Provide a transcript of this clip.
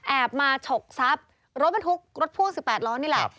แอบมาฉกซับรถบันทุกรถพ่วง๑๘ล้อนี่แหละ